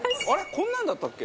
こんなんだったっけ？